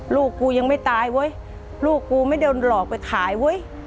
ลูกกูยังไม่ตายเว้ยลูกกูไม่โดนหลอกไปขายเว้ย